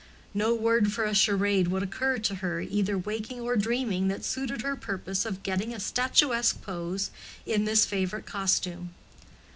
No word for a charade would occur to her either waking or dreaming that suited her purpose of getting a statuesque pose in this favorite costume.